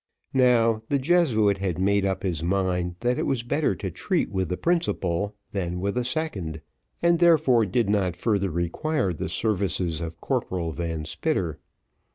Now the Jesuit had made up his mind that it was better to treat with the principal than with a second, and therefore did not further require the services of Corporal Van Spitter.